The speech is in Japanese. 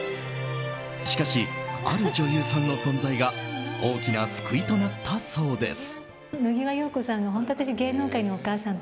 しかし、ある女優さんの存在が大きな救いとなったそうです。